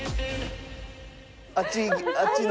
あっちの。